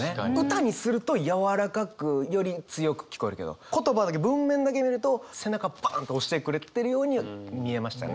歌にするとやわらかくより強く聞こえるけど言葉だけ文面だけ見ると背中バンって押してくれてるように見えましたね。